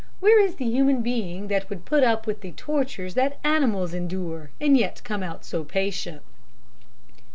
Where is the human being that would put up with the tortures that animals endure and yet come out so patient?"